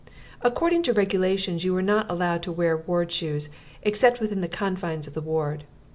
According to regulations, you were not allowed to wear ward shoes except within the confines of the ward.